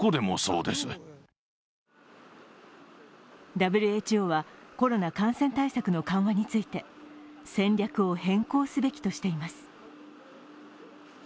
ＷＨＯは、コロナ感染対策の緩和について戦略を変更すべきとしています。